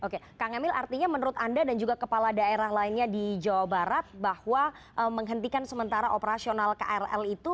oke kang emil artinya menurut anda dan juga kepala daerah lainnya di jawa barat bahwa menghentikan sementara operasional krl itu